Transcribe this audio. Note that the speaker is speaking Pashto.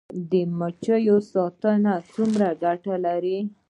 د مچیو ساتنه څومره ګټه لري؟